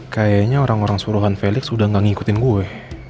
kayaknya orang orang suruhan felix udah gak ngikutin gue